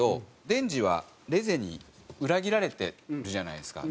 デンジはレゼに裏切られてるじゃないですか。